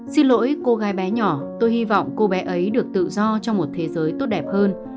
xin lỗi cô gái bé nhỏ tôi hy vọng cô bé ấy được tự do trong một thế giới tốt đẹp hơn